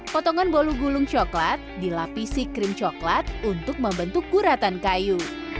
potongan bolu gulung coklat dilapisi krim coklat untuk membentuk kuratan kayu